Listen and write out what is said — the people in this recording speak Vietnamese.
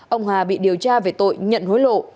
ông hà bị điều tra về tội nhận hối lộ